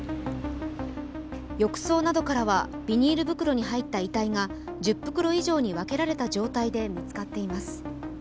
浴槽などからはビニール袋に入った遺体が１０袋以上に分けられた状態で見つかっています。